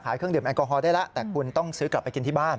เครื่องดื่มแอลกอฮอลได้แล้วแต่คุณต้องซื้อกลับไปกินที่บ้าน